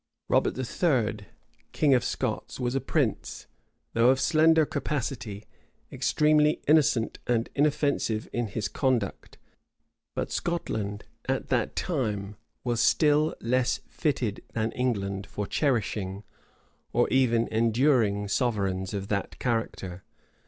Robert III., king of Scots, was a prince, though of slender capacity, extremely innocent and inoffensive in his conduct: but Scotland, at that time, was still less fitted than England for cherishing, or even enduring sovereigns of that character.